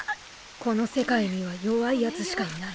この世界には弱いヤツしかいない